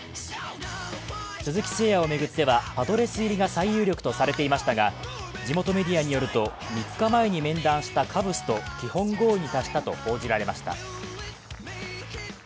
鈴木誠也を巡ってはパドレス入りが最有力とされていましたが、地元メディアによると３日前に面談したカブスと基本合意に達したと報じられました。